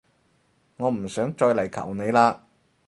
我唔想再嚟求你喇